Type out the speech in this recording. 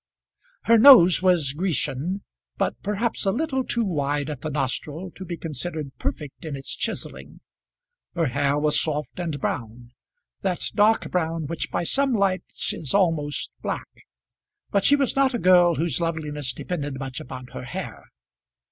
Her nose was Grecian, but perhaps a little too wide at the nostril to be considered perfect in its chiselling. Her hair was soft and brown, that dark brown which by some lights is almost black; but she was not a girl whose loveliness depended much upon her hair.